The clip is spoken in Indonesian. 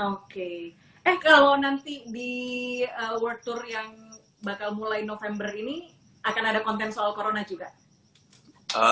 oke eh kalau nanti di world tour yang bakal mulai november ini akan ada konten soal corona juga